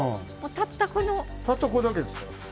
たったこれだけですから。